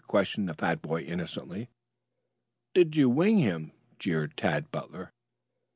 questioned the fat boy innocently. "Did you wing him!" jeered Tad Butler.